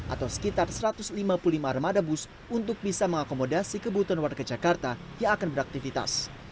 atau sekitar satu ratus lima puluh lima armada bus untuk bisa mengakomodasi kebutuhan warga jakarta yang akan beraktivitas